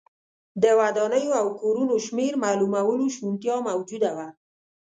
د ودانیو او کورونو شمېر معلومولو شونتیا موجوده وه